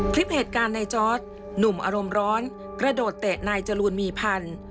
คลิปเหตุการณ์ในจอร์ดหนุ่มอารมณ์ร้อนกระโดดเตะนายจรูนมีพันธุ์